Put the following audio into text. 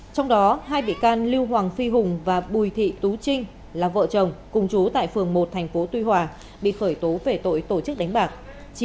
trong đó hai bị can lưu hoàng phi hùng và bùi thị tú trinh là vợ chồng cùng chú tại phường một tp tuy hòa bị khởi tố về tội tổ chức đánh bạc